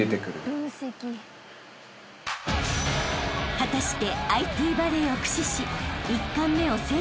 ［果たして］